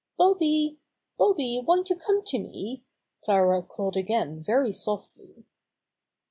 "Bobby! Bobby, won't you come to me?" Clara called again very softly.